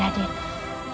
mohon ditunggu gusti raden